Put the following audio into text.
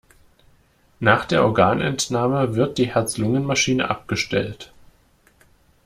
Nach der Organentnahme wird die Herz-Lungen-Maschine abgestellt.